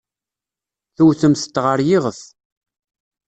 Tewtemt-t ɣer yiɣef.